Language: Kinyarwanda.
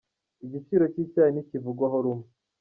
Igiciro cy’icyayi ntikivugwaho rumwe